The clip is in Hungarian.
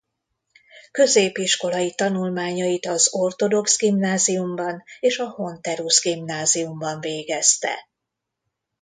Középiskolai tanulmányait az ortodox gimnáziumban és a Honterus gimnáziumban végezte.